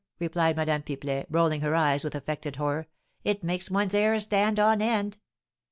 replied Madame Pipelet, rolling her eyes with affected horror. "It makes one's hair stand on end."